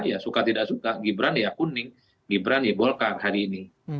ya suka tidak suka gibran ya kuning gibran ya golkar hari ini